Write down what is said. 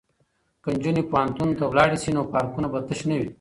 که نجونې پوهنتون ته لاړې شي نو پارکونه به تش نه وي.